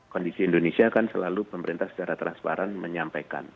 kondisi indonesia kan selalu pemerintah secara transparan menyampaikan